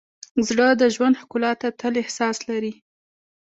زړه د ژوند ښکلا ته تل احساس لري.